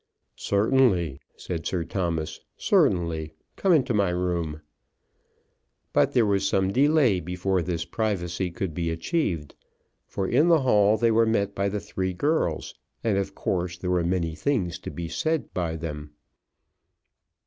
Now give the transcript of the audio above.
"Certainly," said Sir Thomas, "certainly. Come into my room." But there was some delay before this privacy could be achieved, for in the hall they were met by the three girls, and of course there were many things to be said by them.